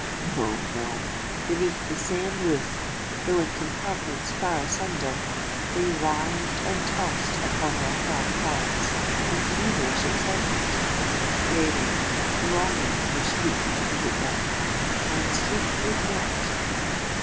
No—no: beneath the same roof, though in compartments far asunder, they writhed and tossed upon their hard pallets, in feverish excitement—craving, longing for sleep to visit them,—and sleep would not!